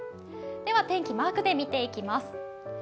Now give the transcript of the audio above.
では天気、マークで見ていきます。